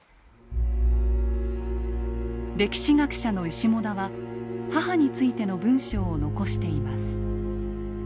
歴史学者の石母田は母についての文章を残しています。